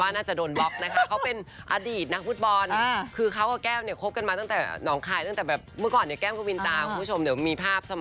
น่าจะโดนบล็อกนะคะเขาเป็นอดีตนักฟุตบอลคือเขากับแก้วเนี่ยคบกันมาตั้งแต่หนองคายตั้งแต่แบบเมื่อก่อนเนี่ยแก้มกวินตาคุณผู้ชมเดี๋ยวมีภาพเสมอ